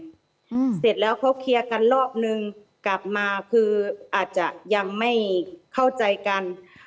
เสร็จแล้วเขาเคลียร์กันรอบนึงกลับมาคืออาจจะยังไม่เข้าใจกัน